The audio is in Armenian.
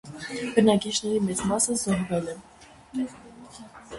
Բնակիչների մեծ մասը զոհվել է։